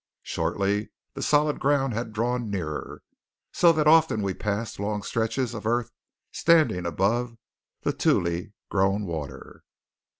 Shortly the solid ground had drawn nearer; so that often we passed long stretches of earth standing above the tule grown water.